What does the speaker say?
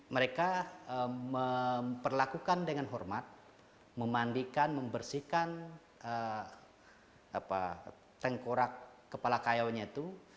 mereka memperlakukan dengan hormat memandikan membersihkan tengkorak kepala kayaunya itu